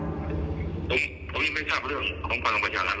ผมยังไม่ทราบเรื่องของพลังประชารัฐ